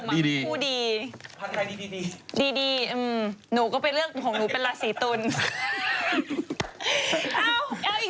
ดีดีผักใครดีดีดีดีดีอืมหนูก็ไปเลือกของหนูเป็นละสีตุ๋น